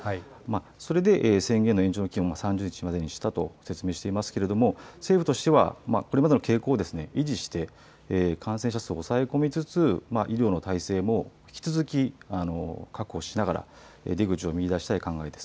それで宣言の延長期限を３０日までにしたと説明していますけれども、政府としては、これまでの傾向を維持して、感染者数を抑え込みつつ、医療の体制も引き続き確保しながら、出口を見いだしたい考えです。